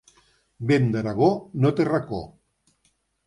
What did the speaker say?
Vent d'Aragó no té racó.